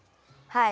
はい。